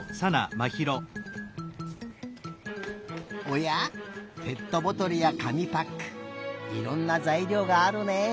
おやペットボトルや紙パックいろんなざいりょうがあるねえ。